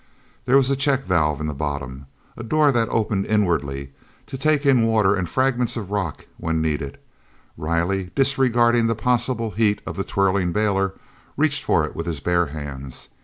There was a check valve in the bottom—a door that opened inwardly, to take in water and fragments of rock when need arose. Riley, disregarding the possible heat of the twirling bailer, reached for it with bare hands.